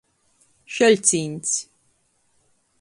Šeļcīņs.